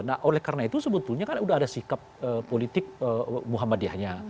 nah oleh karena itu sebetulnya kan sudah ada sikap politik muhammadiyahnya